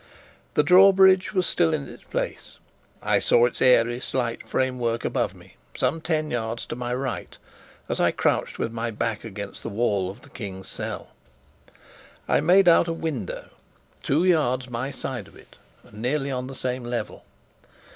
The drawbridge was still in its place. I saw its airy, slight framework above me, some ten yards to my right, as I crouched with my back against the wall of the King's cell. I made out a window two yards my side of it and nearly on the same level.